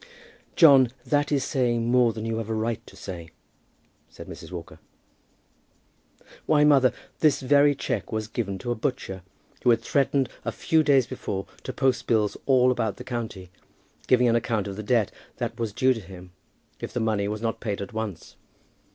"John, that is saying more than you have a right to say," said Mrs. Walker. "Why, mother, this very cheque was given to a butcher who had threatened a few days before to post bills all about the county, giving an account of the debt that was due to him, if the money was not paid at once."